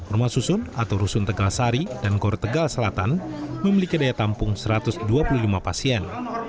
rumah susun atau rusun tegal sari dan gor tegal selatan memiliki daya tampung satu ratus dua puluh lima pasien